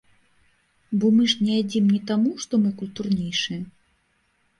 Бо мы ж не ядзім не таму, што мы культурнейшыя.